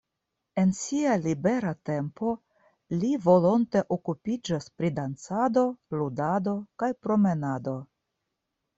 En sia libera tempo li volonte okupiĝas pri dancado, ludado kaj promenado.